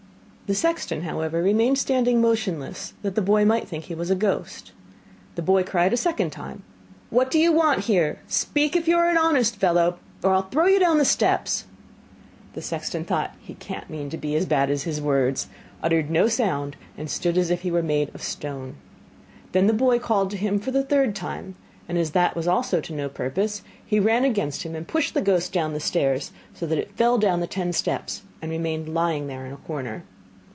The sexton, however, remained standing motionless that the boy might think he was a ghost. The boy cried a second time: 'What do you want here? speak if you are an honest fellow, or I will throw you down the steps!' The sexton thought: 'He can't mean to be as bad as his words,' uttered no sound and stood as if he were made of stone. Then the boy called to him for the third time, and as that was also to no purpose, he ran against him and pushed the ghost down the stairs, so that it fell down the ten steps and remained lying there in a corner.